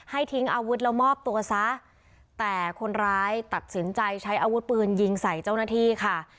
ทิ้งอาวุธแล้วมอบตัวซะแต่คนร้ายตัดสินใจใช้อาวุธปืนยิงใส่เจ้าหน้าที่ค่ะ